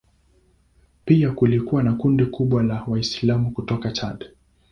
Pia kulikuwa na kundi kubwa la Waislamu kutoka Chad.